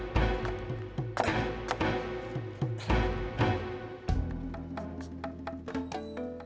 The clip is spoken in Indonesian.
pulau miliar buat apaan